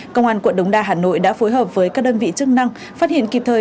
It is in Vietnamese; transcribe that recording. công an quận đống đa hà nội đã phối hợp với các đơn vị chức năng phát hiện kịp thời